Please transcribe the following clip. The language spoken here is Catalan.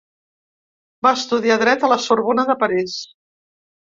Va estudiar dret a la Sorbona de París.